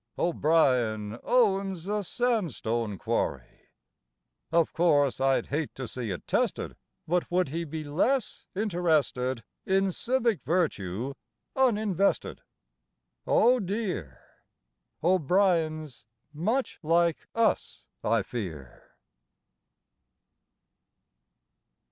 (O'Brien owns a sandstone quarry.) Of course I'd hate to see it tested, But would he be less interested In civic virtue uninvested? Oh, dear! O'Brien's much like us, I fear.